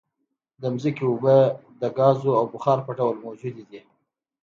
د ځمکې اوبه د ګازونو او بخار په ډول موجود دي